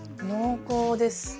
濃厚です。